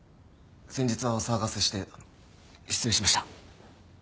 先日はお騒がせして失礼しました。